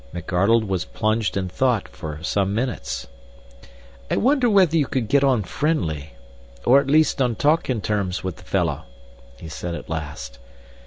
McArdle was plunged in thought for some minutes. "I wonder whether you could get on friendly or at least on talking terms with the fellow," he said, at last.